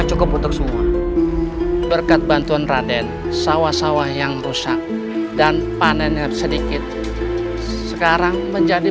cukup untuk semua berkat bantuan raden sawah sawah yang rusak dan panennya sedikit sekarang menjadi